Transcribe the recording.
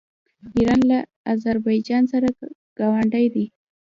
ایران له اذربایجان سره ګاونډی دی.